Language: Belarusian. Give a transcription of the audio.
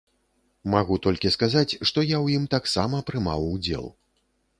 Магу толькі сказаць, што я ў ім таксама прымаў удзел.